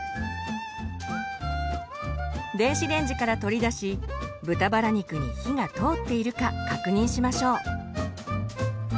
電子レンジから取り出し豚バラ肉に火が通っているか確認しましょう。